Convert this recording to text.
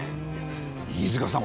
飯塚さん